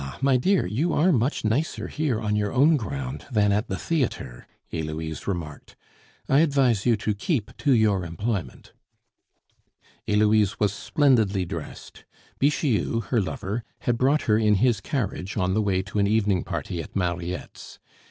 my dear, you are much nicer here on your own ground than at the theatre," Heloise remarked. "I advise you to keep to your employment." Heloise was splendidly dressed. Bixiou, her lover, had brought her in his carriage on the way to an evening party at Mariette's.